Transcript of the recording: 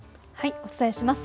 お伝えします。